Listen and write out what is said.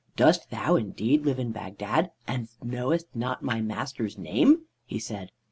"Dost thou indeed live in Bagdad and knowest not my master's name?" he said.